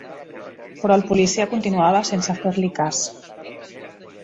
Però el policia continuava sense fer-li cas.